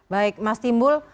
baik mas timbul